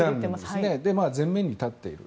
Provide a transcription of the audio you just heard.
最も前面に立っている。